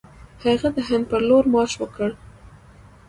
هغه د هند پر لور مارش وکړ.